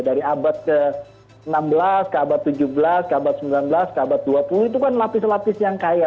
dari abad ke enam belas ke abad tujuh belas ke abad sembilan belas ke abad dua puluh itu kan lapis lapis yang kaya